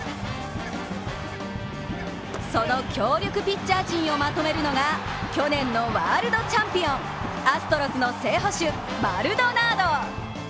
その強力ピッチャー陣をまとめるのが去年のワールドチャンピオンアストロズの正捕手、マルドナード。